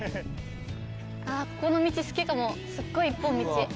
ここの道好きかもすっごい一本道。